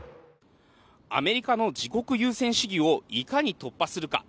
アメリカの自国優先主義をいかに突破するか。